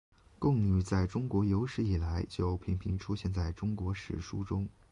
贡女在中国有史以来就频频出现在中国史书中。